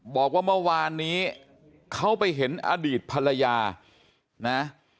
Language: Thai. บอกว่าเมื่อวานนี้เขาไปเห็นอดีตภรรยานะ